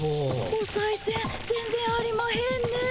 おさいせん全然ありまへんね。